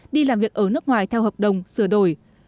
đi làm việc ở nước ngoài theo hợp đồng sửa đổi